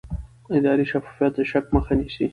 اداري شفافیت د شک مخه نیسي